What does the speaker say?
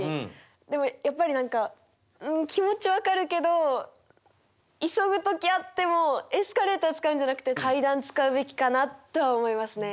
でもやっぱり何かうん気持ち分かるけど急ぐ時あってもエスカレーター使うんじゃなくて階段使うべきかなとは思いますね。